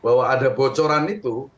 bahwa ada bocoran itu